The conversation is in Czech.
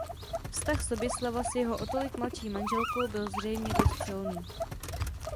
Vztah Soběslava s jeho o tolik mladší manželkou byl zřejmě dost silný.